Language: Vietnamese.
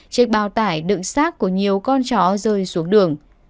trên bao tải đựng xác của nhiều con chó rơi xuống đường